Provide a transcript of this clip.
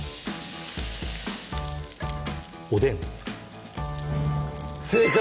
おでん正解！